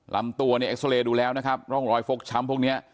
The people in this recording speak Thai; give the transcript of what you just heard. ลำตัวเนี่ยดูแล้วนะครับร่องรอยฟกช้ำพวกเนี้ย